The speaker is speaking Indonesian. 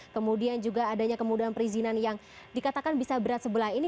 kemudian juga adanya kemudahan perizinan yang dikatakan bisa berat sebelah ini